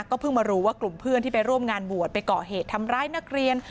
เพิ่งมารู้ว่ากลุ่มเพื่อนที่ไปร่วมงานบวชไปก่อเหตุทำร้ายนักเรียน